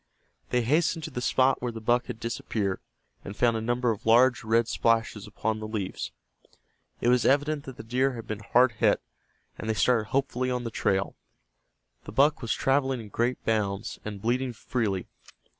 They hastened to the spot where the buck had disappeared, and found a number of large red splashes upon the leaves. It was evident that the deer had been hard hit, and they started hopefully on the trail. The buck was traveling in great bounds, and bleeding freely.